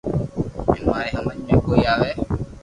ھين ماري ھمج ۾ ڪوئي آوي